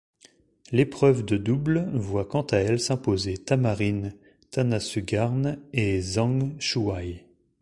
L'épreuve de double voit quant à elle s'imposer Tamarine Tanasugarn et Zhang Shuai.